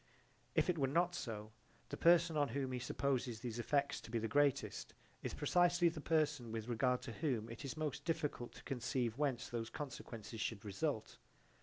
If it were not so, the person on whom he supposes these effects to be the greatest is precisely the person with regard to whom it is most difficult to conceive whence those consequences should result.